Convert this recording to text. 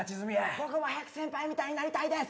僕も早く先輩みたいになりたいです